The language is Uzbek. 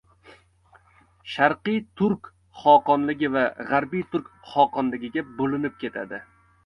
Sharqiy turk xoqonligi va g‘arbiy turk xoqonligiga bo‘linib ketadi.